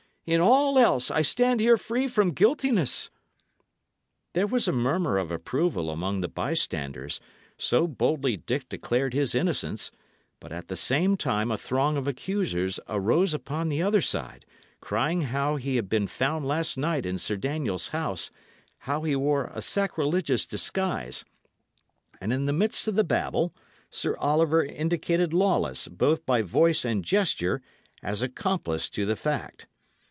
In all else, I stand here free from guiltiness." There was a murmur of approval among the bystanders, so boldly Dick declared his innocence; but at the same time a throng of accusers arose upon the other side, crying how he had been found last night in Sir Daniel's house, how he wore a sacrilegious disguise; and in the midst of the babel, Sir Oliver indicated Lawless, both by voice and gesture, as accomplice to the fact.